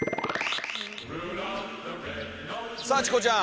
さあチコちゃん！